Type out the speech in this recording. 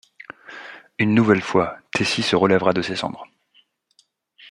Une nouvelle fois, Taissy se relèvera de ses cendres.